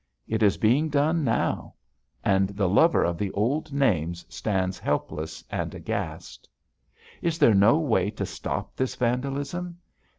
It is being done now. And the lover of the old names stands helpless and aghast. Is there no way to stop this vandalism?